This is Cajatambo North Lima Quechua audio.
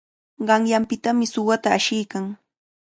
Qanyanpitami suwata ashiykan.